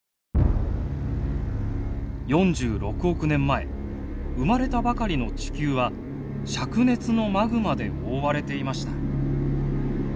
４６億年前生まれたばかりの地球はしゃく熱のマグマで覆われていました。